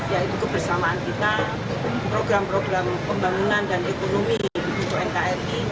yaitu kebersamaan kita program program pembangunan dan ekonomi untuk nkri